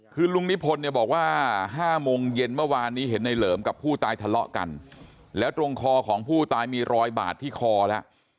คือลุงนิพนธ์เนี่ยบอกว่า๕โมงเย็นเมื่อวานนี้เห็นในเหลิมกับผู้ตายทะเลาะกันแล้วตรงคอของผู้ตายมีรอยบาดที่คอแล้ว